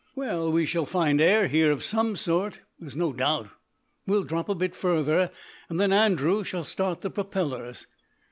"Well, we shall find air here of some sort, there's no doubt. We'll drop a bit further and then Andrew shall start the propellers.